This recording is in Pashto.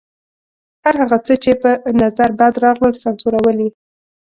هر هغه څه چې په نظر بد راغلل سانسورول یې.